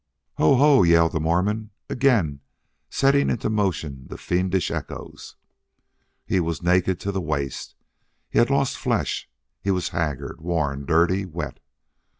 "Ho! Ho!" yelled the Mormon, again setting into motion the fiendish echoes. He was naked to the waist; he had lost flesh; he was haggard, worn, dirty, wet.